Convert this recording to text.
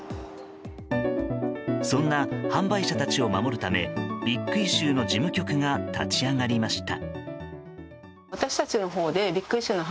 そんな販売者たちを守るため「ビッグイシュー」の事務局が立ち上がりました。